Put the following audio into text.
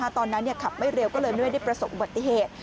ตอนนั้นขับไม่เร็วก็เลยไม่ได้ประสบอุบัติเหตุ